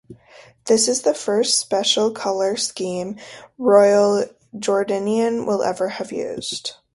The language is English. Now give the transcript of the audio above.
This is the first special colour scheme Royal Jordanian will have used.